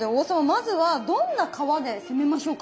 まずはどんな皮で攻めましょうか？